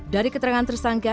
dari keterangan tersangka